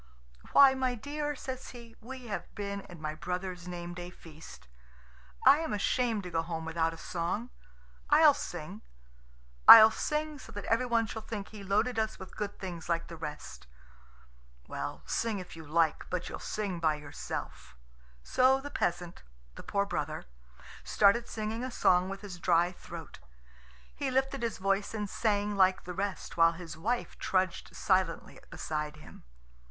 "Why, my dear" says he, "we have been at my brother's name day feast. I am ashamed to go home without a song. I'll sing. I'll sing so that everyone shall think he loaded us with good things like the rest." "Well, sing if you like; but you'll sing by yourself." So the peasant, the poor brother, started singing a song with his dry throat. He lifted his voice and sang like the rest, while his wife trudged silently beside him.